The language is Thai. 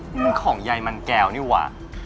มันของใยมันแก้วนี่ว่ะ